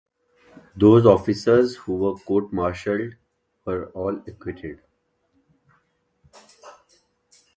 Those officers who were court-martialed were all acquitted.